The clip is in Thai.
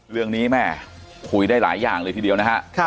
เรื่องนี้แม่คุยได้หลายอย่างเลยทีเดียวนะฮะ